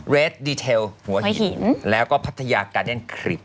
ดีเทลหัวหินแล้วก็พัทยากาเดนคริส